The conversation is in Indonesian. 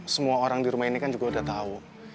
semua orang di rumah ini kan juga udah tahu